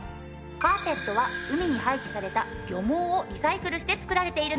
カーペットは海に廃棄された漁網をリサイクルして作られているの。